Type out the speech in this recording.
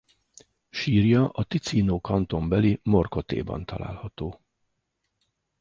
Sírja a Ticino kanton beli Morcotéban található.